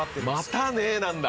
「またね」なんだ。